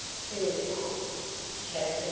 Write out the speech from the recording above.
SCHOOL TIME. Chapter I.